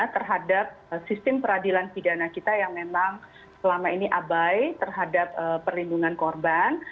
terhadap sistem peradilan pidana kita yang memang selama ini abai terhadap perlindungan korban